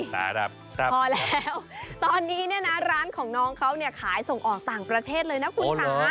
พอแล้วตอนนี้เนี่ยนะร้านของน้องเขาเนี่ยขายส่งออกต่างประเทศเลยนะคุณค่ะ